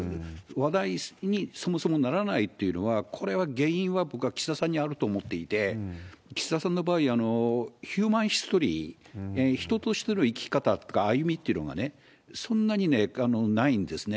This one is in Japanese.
話題にそもそもならないっていうのは、これは原因は、僕は岸田さんにあると思っていて、岸田さんの場合、ヒューマンヒストリー、人としての生き方とか歩みっていうのがね、そんなにないんですね。